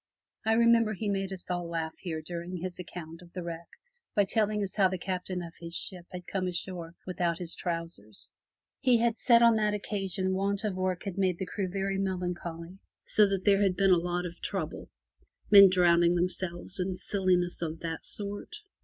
I remember he made us all laugh here during his account of the wreck by telling us how the Captain of his ship had come ashore without his trousers. He said that on that occasion want of work had made the crew very melancholy, so that there had been a lot of trouble — *'men drown 269 MY BOOK HOUSE ing themselves, and silliness of that sort."